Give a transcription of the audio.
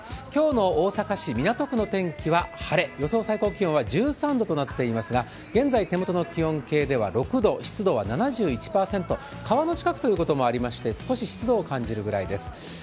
今日の大阪市港区の天気は晴れ、予想最高気温は１３度となっていますが、現在、手元の気温計では６度、湿度は７１％、川の近くということもありまして、少し湿度を感じるくらいです。